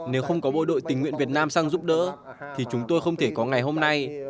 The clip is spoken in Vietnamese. nếu không có bộ đội tình nguyện việt nam sang giúp đỡ thì chúng tôi không thể có ngày hôm nay